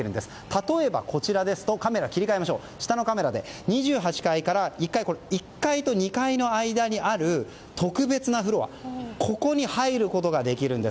例えば、こちらですと下のカメラで２８階から１階と２階の間にある特別なフロアに入ることができるんです。